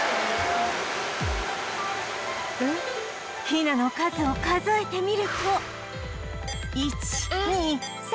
ヒナの数を数えてみると